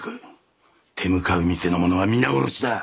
手向かう店の者は皆殺しだ。